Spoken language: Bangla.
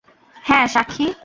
হ্যাঁ, সাক্ষী।